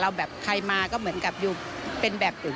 แบบใครมาก็เหมือนกับอยู่เป็นแบบอื่น